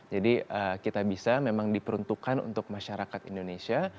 jadi kita bisa memang diperuntukkan untuk masyarakat indonesia